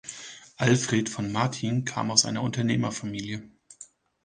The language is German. Alfred von Martin kam aus einer Unternehmerfamilie.